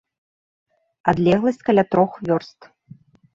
Адлегласць каля трох вёрст.